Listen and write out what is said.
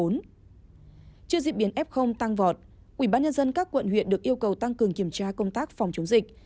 trước diễn biến f tăng vọt ubnd các quận huyện được yêu cầu tăng cường kiểm tra công tác phòng chống dịch